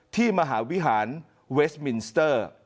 มหาวิหารเวสมินสเตอร์